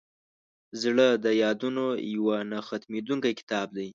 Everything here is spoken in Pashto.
زړه د یادونو یو نه ختمېدونکی کتاب دی.